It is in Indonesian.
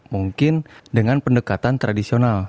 mungkin dengan pendekatan tradisional